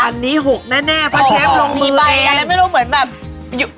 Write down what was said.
อันนี้๖แน่พอเชฟลงมือเองอ๋อมีใบอันนั้นไม่รู้เหมือนแบบ